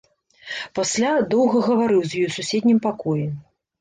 Пасля доўга гаварыў з ёй у суседнім пакоі.